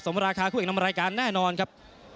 ราคาคู่เอกนำรายการแน่นอนครับ